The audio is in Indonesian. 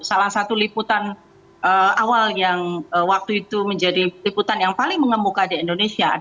salah satu liputan awal yang waktu itu menjadi liputan yang paling mengemuka di indonesia